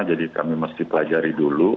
jadi kami mesti pelajari dulu